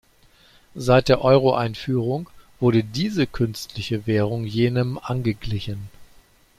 Seit der Euroeinführung wurde diese "künstliche Währung" jenem angeglichen.